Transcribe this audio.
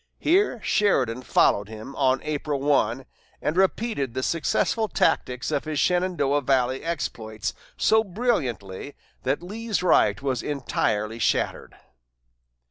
Here Sheridan followed him on April 1, and repeated the successful tactics of his Shenandoah valley exploits so brilliantly that Lee's right was entirely shattered.